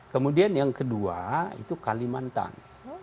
kemudian yang kedua itu kalimantan